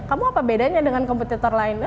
kamu apa bedanya dengan komputer lain